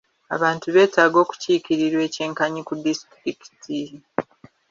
Abantu beetaaga okukiikirirwa eky'enkanyi ku disitulikiti .